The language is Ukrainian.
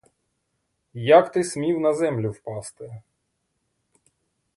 Як ти смів на землю впасти?